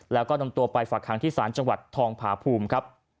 แล้วก็นำตัวไปฝากหางที่ศาลจังหวัดทองผาภูมิครับ